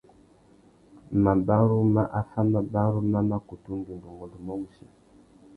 Mabarú mà affámabarú má mà kutu ndénda ungôndômô wussi.